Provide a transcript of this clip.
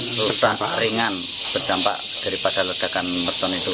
rusak ringan berdampak daripada ledakan merton itu